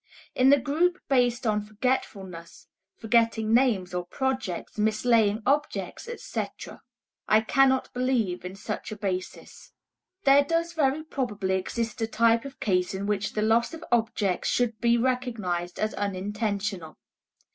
In the group based on forgetfulness (forgetting names or projects, mislaying objects, etc.) I cannot believe in such a basis. There does very probably exist a type of case in which the loss of objects should be recognized as unintentional.